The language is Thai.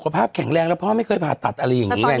ภาพแข็งแรงแล้วพ่อไม่เคยผ่าตัดอะไรอย่างนี้ไง